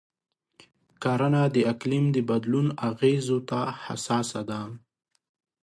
کرنه د اقلیم د بدلون اغېزو ته حساسه ده.